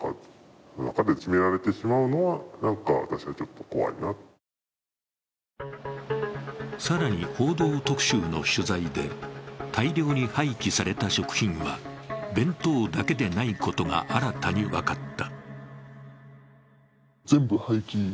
今思うことは更に「報道特集」の取材で大量に廃棄された食品は弁当だけでないことが新たに分かった。